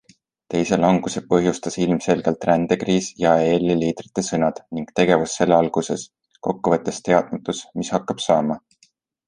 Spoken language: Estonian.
Teise languse põhjustas ilmselgelt rändekriis ja ELi liidrite sõnad ning tegevus selle alguses - kokkuvõttes teadmatus, mis hakkab saama.